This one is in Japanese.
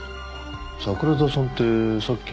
桜田さんってさっき。